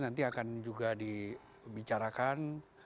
nanti akan juga dibicarakan